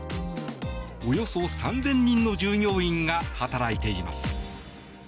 およそ３０００人の従業員が働いています。